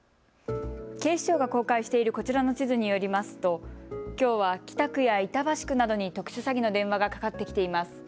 警視庁が公開しているこちらの地図によりますときょうは北区や板橋区などに特殊詐欺の電話がかかってきています。